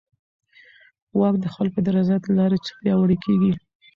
واک د خلکو د رضایت له لارې پیاوړی کېږي.